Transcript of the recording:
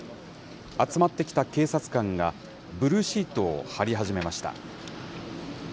集まってきた警察官が、ブルーシートを張り始めました。